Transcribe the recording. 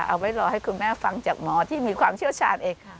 เอาไว้รอให้คุณแม่ฟังจากหมอที่มีความเชี่ยวชาญเองค่ะ